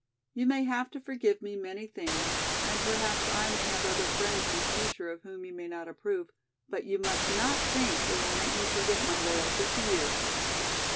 You may have to forgive me many things and perhaps I may have other friends in the future of whom you may not approve, but you must not think they will make me forget my loyalty to you."